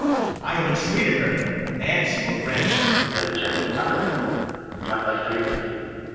] I have entreated her, and she will grant. LODOWICK. Then, gentle Abigail, plight thy faith to me.